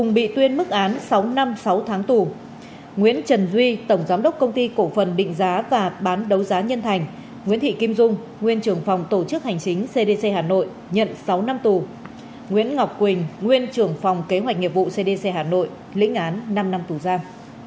nguyễn ngọc quỳnh nguyên trưởng phòng kế hoạch nghiệp vụ cdc hà nội lĩnh án năm năm tù giam